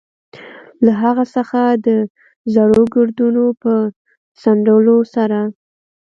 له هغه څخه د زړو ګردونو په څنډلو سره.